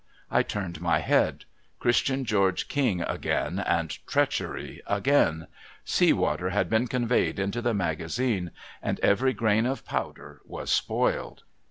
I turned my head. Christian George King again, and treachery again ! Sea water had been conveyed into the magazine, and every grain of powder was spoiled